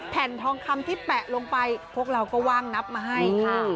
แผ่นทองคำที่แปะลงไปพวกเราก็ว่างนับมาให้ค่ะ